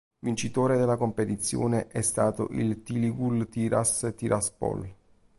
Vincitore della competizione è stato il Tiligul-Tiras Tiraspol